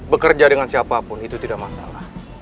bekerja dengan siapapun itu tidak masalah